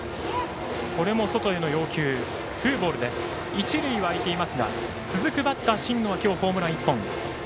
一塁は空いていますが続くバッター、新野は今日ホームラン１本。